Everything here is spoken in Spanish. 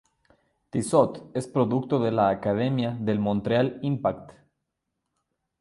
Tissot es producto de la academia del Montreal Impact.